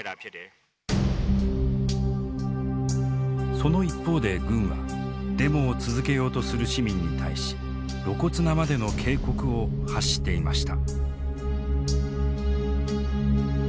その一方で軍はデモを続けようとする市民に対し露骨なまでの警告を発していました。